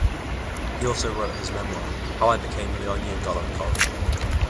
He also wrote his memoir "How I Became Lyonya Golubkov".